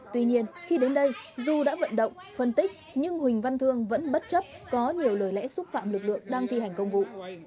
tuy nhiên khi đến đây dù đã vận động phân tích nhưng huỳnh văn thương vẫn bất chấp có nhiều lời lẽ xúc phạm lực lượng đang thi hành công vụ